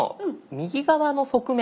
右側の側面。